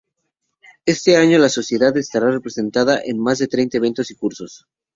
Este año, la Sociedad estará representada en más de treinta eventos y cursos.